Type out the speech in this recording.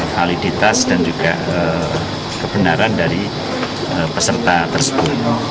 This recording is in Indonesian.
validitas dan juga kebenaran dari peserta tersebut